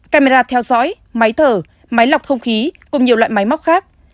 camera theo dõi máy thở máy lọc không khí cùng nhiều loại máy móc khác